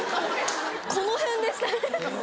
この辺でしたね。